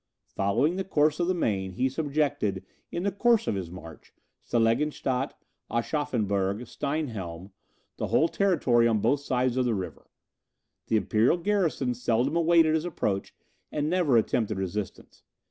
Following the course of the Maine, he subjected, in the course of his march, Seligenstadt, Aschaffenburg, Steinheim, the whole territory on both sides of the river. The imperial garrisons seldom awaited his approach, and never attempted resistance.